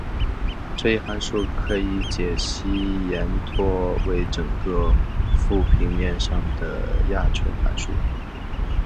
这一函数可以解析延拓为整个复平面上的亚纯函数。